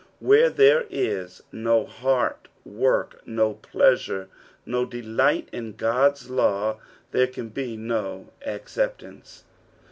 Where there is no heart work, nu pleasure, no delight in God's law, there can be no acceptance.